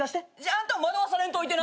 あんたも惑わされんといてな。